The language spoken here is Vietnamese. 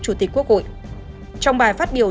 chủ tịch quốc hội trong bài phát biểu